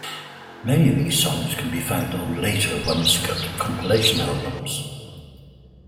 Many of these songs can be found on later Wumpscut compilation albums.